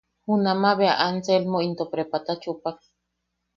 Junama bea Anselmo into prepata chupak.